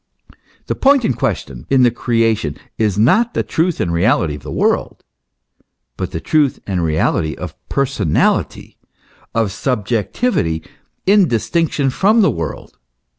The point in question in the Creation is not the truth and reality of the world, but the truth and reality of personality, of subjectivity in distinction from the world.